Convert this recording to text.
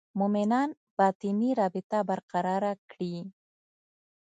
مومنان باطني رابطه برقراره کړي.